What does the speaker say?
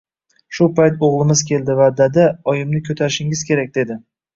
Shu payt o‘g‘limiz keldi va «dada, oyimni ko‘tarishingiz kerak», dedi